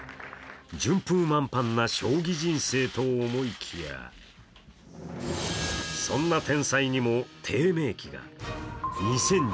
順風満帆な将棋人生と思いきやそんな天才にも低迷期が。